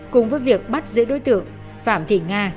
cùng với việc bắt giữ đối tượng phạm thị nga